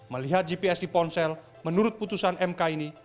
melihat gps di ponsel menurut putusan mk ini